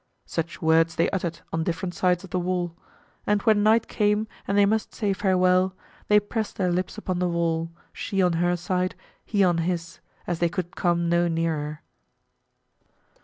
Such words they uttered on different sides of the wall; and when night came and they must say farewell, they pressed their lips upon the wall, she on her side, he on his, as they could come no nearer.